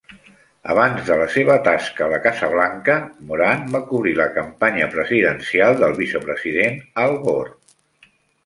Abans de la seva tasca a la Casa Blanca, Moran va cobrir la campanya presidencial del vicepresident Al Gore.